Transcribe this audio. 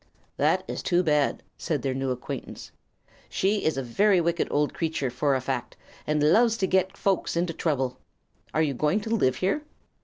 "That is too bad," said their new acquaintance. "She is a very wicked old creature, for a fact, and loves to get folks into trouble. Are you going to live here?"